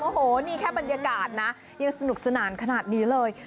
โอ้โหนี่แค่บรรยากาศนะยังสนุกสนานขนาดนี้เลย